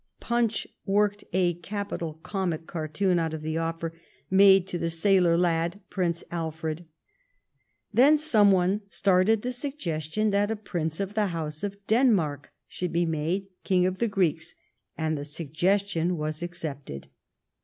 " Punch " worked a capital comic cartoon out of the offer made to the sailor lad Prince Alfred. 212 THE STORY OF GLADSTONES LIFE Then some one started the suggestion that a prince of the House of Denmark should be made King of the Greeks, and the suggestion was accepted.